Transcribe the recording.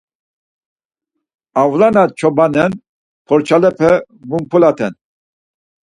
Avla na cobanen porçalepe vumpulaten.